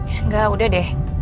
enggak udah deh